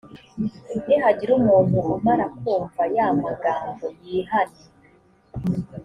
nihagira umuntu umara kumva ya magambo, yihane,